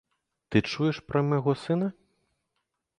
Ты чуеш пра майго сына?